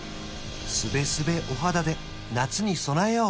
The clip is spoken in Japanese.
スベスベお肌で夏に備えよう